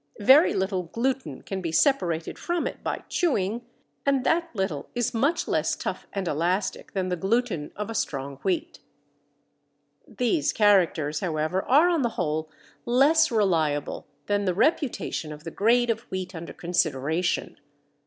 Very little gluten can be separated from it by chewing, and that little is much less tough and elastic than the gluten of a strong wheat. These characters, however, are on the whole less reliable than the reputation of the grade of wheat under consideration.